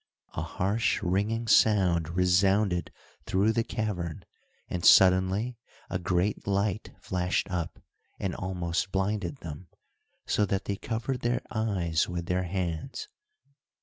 A harsh ringing sound resounded through the cavern, and suddenly a great light flashed up, and almost blinded them, so that they covered their eyes with their hands.